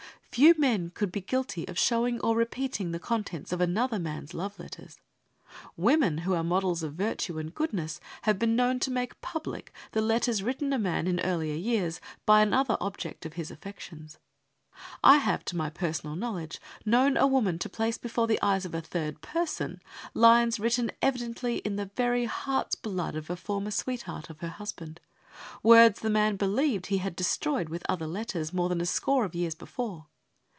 Few men could be guilty of showing or repeating the contents of another man's love letters. Women who are models of virtue and goodness have been known to make public the letters written a man in earlier years by another object of his affections. I have to my personal knowledge known a woman to place before the eyes of a third person, lines written evidently in the very heart's blood of a former sweetheart of her husband words the man believed he had destroyed with other letters, more than a score of years before.